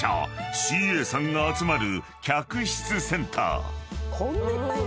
ＣＡさんが集まる］